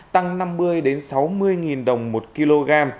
tăng năm mươi đến sáu mươi đồng một kg